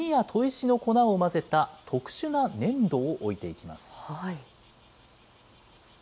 炭や砥石の粉を混ぜた特殊な粘土を置いていきます。